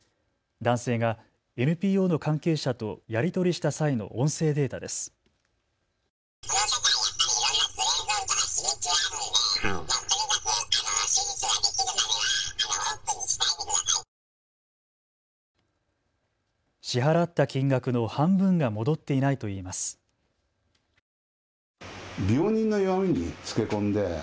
男性がＮＰＯの関係者とやり取りした際の音声データです。